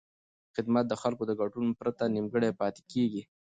خدمت د خلکو د ګډون پرته نیمګړی پاتې کېږي.